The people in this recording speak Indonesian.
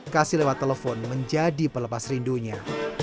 kasih lewat telepon menjadi pelepas rindunya